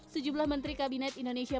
sejumlah menteri kabinet indonesia